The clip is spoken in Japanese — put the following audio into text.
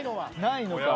ないのか。